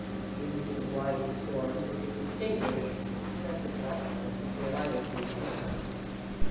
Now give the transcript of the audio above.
Even through the blinding storm they could distinguish its eccentric outlines as they alighted from the stage.